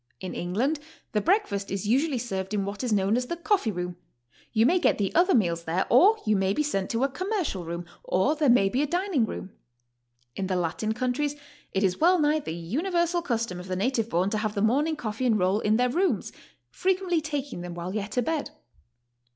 In England the breakfast is usually served in what is known as the coffee room; yooi may get the other meals there, or you may be sent to a "commercial room," or there may be a dining room. In the Latin countries it is well nigh the universal custom of the native born to have the morning coffee and roll in their rooms, frequently taking them while HOW TO STAY. 139 yet a bed.